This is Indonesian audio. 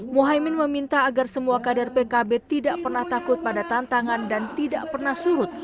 muhaymin meminta agar semua kader pkb tidak pernah takut pada tantangan dan tidak pernah surut